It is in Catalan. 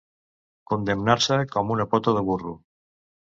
Condemnar-se com una pota de burro.